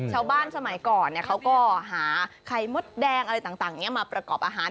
สมัยก่อนเขาก็หาไข่มดแดงอะไรต่างมาประกอบอาหาร